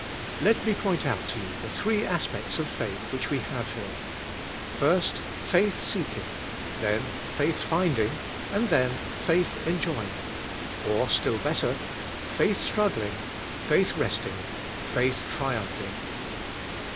Let me point out to you the three aspects of faith which we have here: first, faith seeking; then, faith finding; and then, faith enjoying. Or, still better: faith struggling; faith resting; faith triumphing.